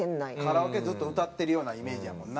カラオケずっと歌ってるようなイメージやもんな。